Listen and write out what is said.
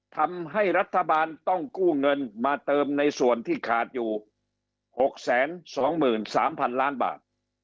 ทำให้รัฐบาลต้องกู้เงินมาเติมในส่วนที่ขาดอยู่๖๒๓๐๐๐ล้านบาท